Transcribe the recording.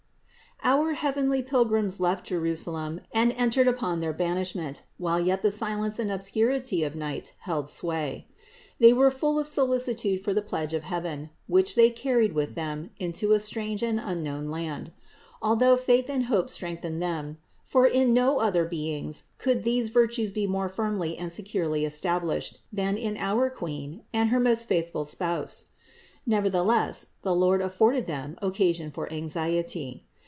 619. Our heavenly Pilgrims left Jerusalem and entered upon their banishment while yet the silence and obscurity of night held sway. They were full of solicitude for the Pledge of heaven, which they carried with them into a strange and unknown land. Although faith and hope strengthened them (for in no other beings could these virtues be more firmly and securely established than in our Queen and her most faithful spouse), nevertheless the Lord afforded them occasion for anxiety.